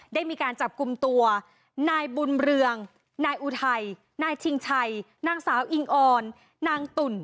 ได้มีการจับกลุ่มตัวนายบุญเรืองนายอุทัยนายชิงชัยนางสาวอิงออนนางตุ่น